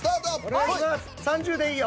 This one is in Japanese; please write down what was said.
３０でいいよ。